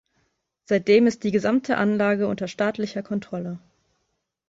Seitdem ist die gesamte Anlage unter staatlicher Kontrolle.